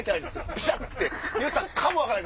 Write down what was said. ピシャって言うたかも分からん。